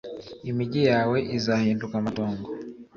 imigi yawe izahinduka amatongo